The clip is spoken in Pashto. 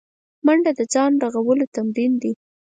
منډه د ځان رغولو تمرین دی